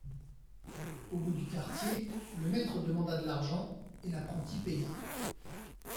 Au bout du quartier, le maître demanda de l'argent, et l'apprenti paya.